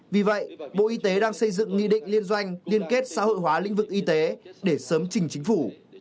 vì vậy bộ y tế đang xây dựng nghị định liên doanh liên kết xã hội hóa lĩnh vực y tế để sớm trình chính phủ